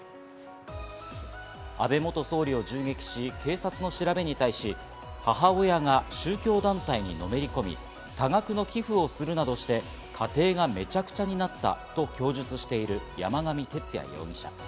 安倍元総理を銃撃し、警察の調べに対し、母親が宗教団体にのめりこみ、多額の寄付をするなどして、家庭がめちゃくちゃになったと供述している山上徹也容疑者。